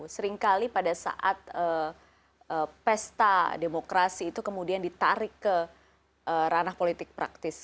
seringkali pada saat pesta demokrasi itu kemudian ditarik ke ranah politik praktis